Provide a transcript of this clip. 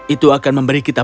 itu akan memberi kita